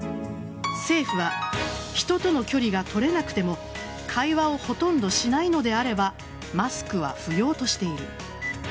政府は人との距離が取れなくても会話をほとんどしないのであればマスクは不要としている。